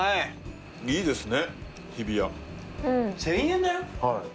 １，０００円だよ。